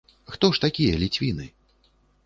Хто ж такія ліцвіны?